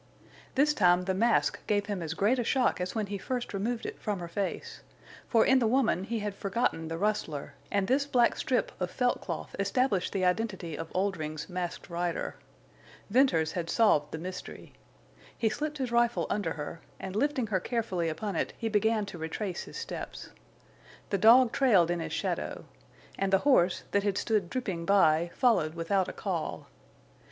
This time the mask gave him as great a shock as when he first removed it from her face. For in the woman he had forgotten the rustler, and this black strip of felt cloth established the identity of Oldring's Masked Rider. Venters had solved the mystery. He slipped his rifle under her, and, lifting her carefully upon it, he began to retrace his steps. The dog trailed in his shadow. And the horse, that had stood drooping by, followed without a call.